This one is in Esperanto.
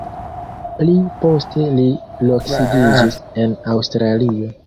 Pli poste li loksidiĝis en Aŭstralio.